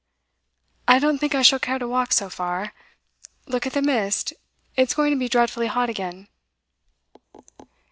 'I don't think I shall care to walk so far. Look at the mist; it's going to be dreadfully hot again.